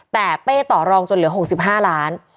แต่เป้ต่อรองจนเหลือ๖๕ล้าน